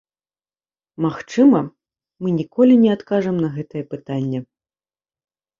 Магчыма, мы ніколі не адкажам на гэтае пытанне.